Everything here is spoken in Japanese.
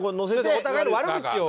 お互いの悪口を。